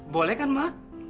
boleh kan ma